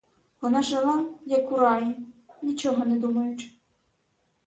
Вона жила, яку раї, нічого не думаючи.